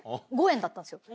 だったんですよ。